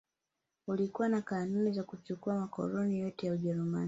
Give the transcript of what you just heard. Ulikuwa na kanuni za kuchukua makoloni yote ya Ujerumani